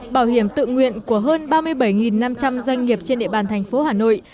bảo hiểm tự nguyện của hơn ba mươi bảy năm trăm linh doanh nghiệp trên địa bàn thành phố hà nội